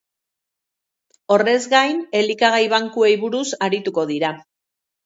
Horrez gain, elikagai bankuei buruz arituko dira.